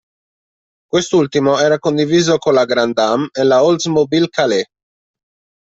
Quest'ultimo era condiviso con la Grand Am e la Oldsmobile Calais.